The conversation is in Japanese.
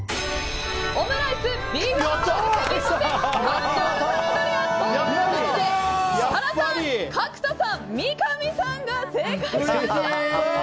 オムライスＢＥＥＦハンバーグステーキそしてハンバーグカレードリア！ということで、設楽さん角田さん三上さんが正解しました！